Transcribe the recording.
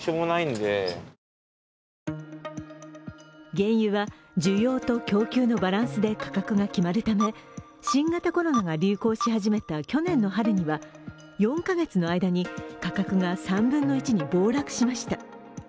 原油は需要と供給のバランスで価格が決まるため、新型コロナが流行し始めた去年の春には４カ月の間に価格が３分の１に暴落しました。